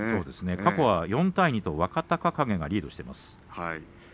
過去は若隆景がリードしています。